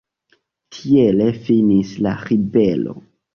Tiele finis la ribelo.